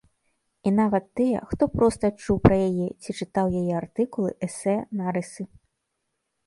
І нават тыя, хто проста чуў пра яе ці чытаў яе артыкулы, эсэ, нарысы.